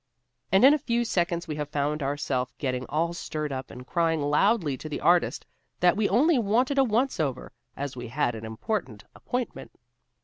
And in a few seconds we have found ourself getting all stirred up and crying loudly to the artist that we only wanted a once over, as we had an important appointment.